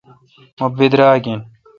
مہ براگ این